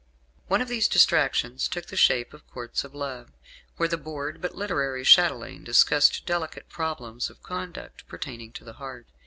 One of these distractions took the shape of Courts of Love, where the bored but literary chatelaine discussed delicate problems of conduct pertaining to the heart.